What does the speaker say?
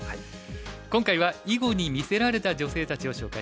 今回は「囲碁に魅せられた女性たち」を紹介します。